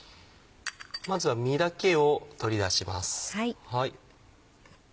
まずは実だけを取り出します。